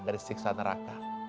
dari siksa neraka